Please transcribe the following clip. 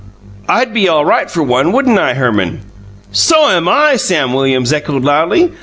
I'D be all right for one, wouldn't I, Herman?" "So am I!" Sam Williams echoed loudly.